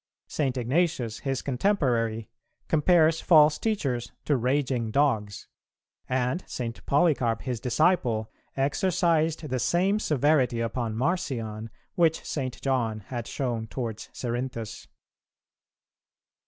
St. Ignatius, his contemporary, compares false teachers to raging dogs; and St. Polycarp, his disciple, exercised the same seventy upon Marcion which St. John had shown towards Cerinthus.